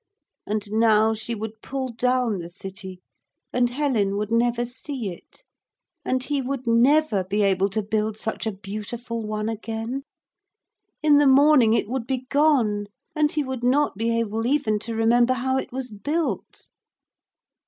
And now she would pull down the city and Helen would never see it. And he would never be able to build such a beautiful one again. In the morning it would be gone, and he would not be able even to remember how it was built.